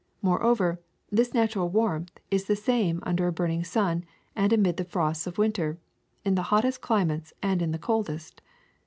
More over, this natural warmth is the same under a burn ing sun and amid the frosts of winter, in the hottest of climates and in the coldest.